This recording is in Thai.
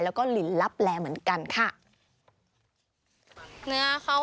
แล้วก็ลินลับแลเหมือนกันค่ะ